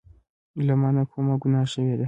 له مانه کومه ګناه شوي ده